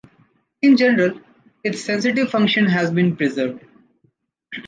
In general, its sensitive function has been preserved.